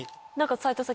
斉藤さん